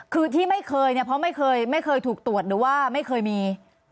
คือที่ไม่เคยเนี่ยเพราะไม่เคยไม่เคยถูกตรวจหรือว่าไม่เคยมี